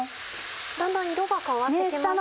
だんだん色が変わって来ました。